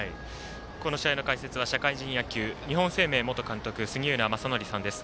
この試合の解説は社会人野球、日本生命元監督杉浦正則さんです。